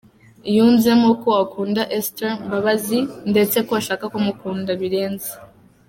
Yunzemo ko akunda Esther Mbabazi ndetse ko ashaka kumukunda birenze.